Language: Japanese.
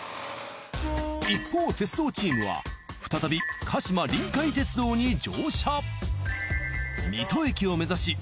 一方鉄道チームは再び鹿島臨海鉄道に乗車。